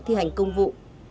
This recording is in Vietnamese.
thi hành công vụ